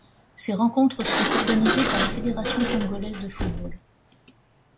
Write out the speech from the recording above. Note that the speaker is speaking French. Ses rencontres sont organisées par la Fédération congolaise de football.